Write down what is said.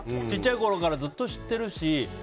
ちっちゃいころからずっと知ってるし。